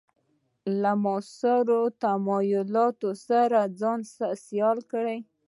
له معاصرو تمایلاتو سره ځان سیال کړي.